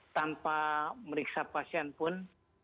tanpa meriksa pasien pun